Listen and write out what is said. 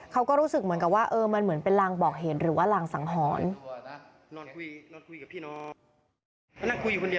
เขาก็รู้สึกเหมือนกับว่ามันเหมือนเป็นรางบอกเห็นหรือว่ารางสังหรณ์